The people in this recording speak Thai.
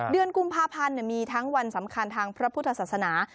เดือนกุมภาพันธ์มีทั้งวันสำคัญทางพระพุทธศาสนา